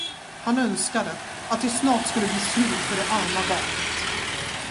Han önskade, att det snart skulle bli slut för det arma barnet.